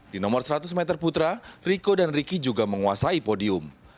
di nomor seratus meter putra riko dan riki juga menguasai podium